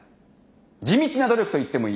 地道な努力といってもいい。